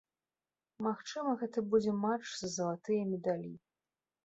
Магчыма, гэта будзе матч за залатыя медалі.